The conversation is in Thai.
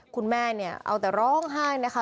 คุณแม่เนี่ยเอาแต่ร้องไห้นะคะ